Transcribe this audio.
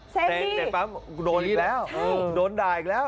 เซฟที่เด็กปั๊มโดนอีกแล้วใช่โดนด่าอีกแล้ว